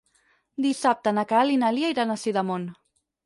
Dissabte na Queralt i na Lia iran a Sidamon.